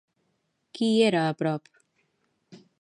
Qui hi era a prop?